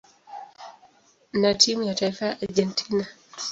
na timu ya taifa ya Argentina.